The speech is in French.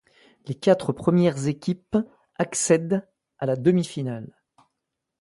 Les quatre premières équipes accèdent à la demi-finale.